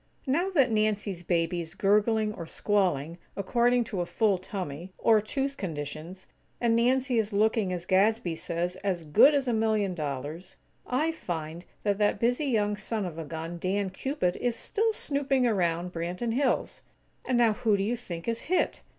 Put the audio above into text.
Now that Nancy's baby is gurgling or squalling, according to a full tummy, or tooth conditions; and Nancy is looking, as Gadsby says, "as good as a million dollars," I find that that busy young son of a gun, Dan Cupid, is still snooping around Branton Hills. And now who do you think is hit?